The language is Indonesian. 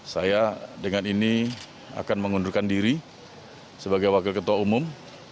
saya dengan ini akan mengundurkan diri sebagai wakil ketua umum